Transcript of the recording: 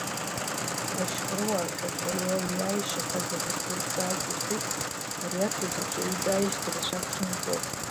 Ашьхаруаа шәахь ари ауаҩы иаашьахазеи ҳәа сзазҵааз ирҳәеит, ари ацуҭаҿы уи дааижьҭеи рацәак шымҵуаз.